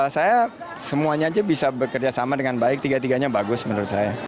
saya semuanya saja bisa bekerjasama dengan baik tiga tiganya bagus menurut saya